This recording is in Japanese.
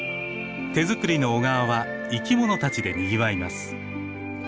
手づくりの小川は生きものたちでにぎわいます。